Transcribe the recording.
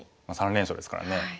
３連勝ですからね。